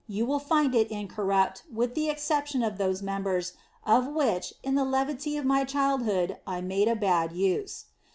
You will find it incorrupt, with the exception of those members, of which, in the levity of my childhood, I made a bad use."